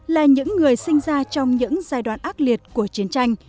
là những người sinh ra trong những giai đoạn ác liệt của chiến tranh